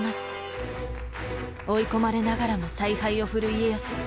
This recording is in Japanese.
追い込まれながらも采配を振る家康。